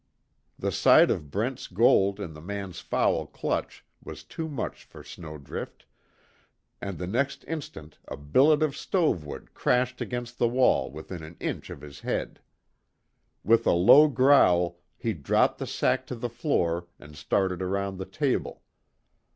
The sight of Brent's gold in the man's foul clutch was too much for Snowdrift, and the next instant a billet of stovewood crashed against the wall within an inch of his head. With a low growl, he dropped the sack to the floor and started around the table.